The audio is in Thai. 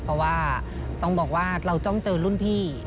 เพราะว่าต้องบอกว่าเราต้องเจอรุ่นพี่